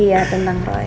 iya tentang roy